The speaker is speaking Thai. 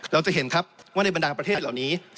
เราจะเห็นครับว่าในบรรดาประเทศเหล่านี้